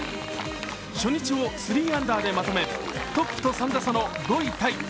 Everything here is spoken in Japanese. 初日を３アンダーでまとめトップと３打差の５位タイ。